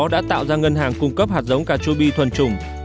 đã tạo ra ngân hàng cung cấp hạt giống cà chua bi thuần trùng